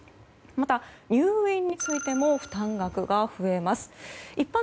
また、入院についても負担額が増えます。